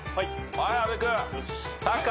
はい阿部君。タカ。